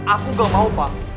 aku gak mau pa